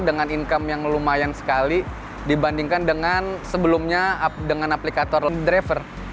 dengan income yang lumayan sekali dibandingkan dengan sebelumnya dengan aplikator driver